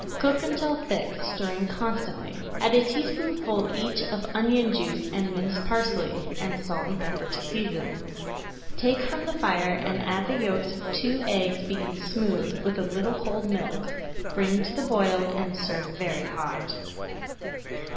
Cook until thick, stirring constantly. Add a teaspoonful each of onion juice and minced parsley, and salt and pepper to season. Take from [Page 157] the fire, and add the yolks of two eggs beaten smooth with a little cold milk, bring to the boil, and serve very hot.